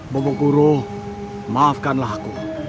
bapak guru maafkanlah aku